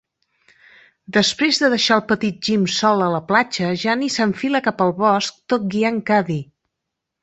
Després de deixar el petit Jim sol a la platja, Janey s'enfila cap al bosc tot guiant Cady.